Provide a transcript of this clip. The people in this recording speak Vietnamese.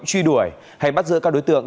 truy đuổi hay bắt giữa các đối tượng